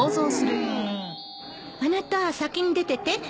うんあなた先に出てて。